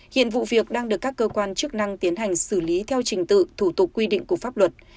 hiện vụ việc đang được các cơ quan chức năng tiến hành xử lý theo trình tự thủ tục quy định của pháp luật